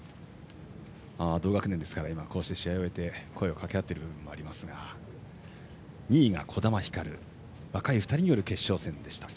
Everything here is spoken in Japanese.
同学年ですから試合を終えて声をかけ合っていましたが２位が児玉ひかる若い２人による決勝でした。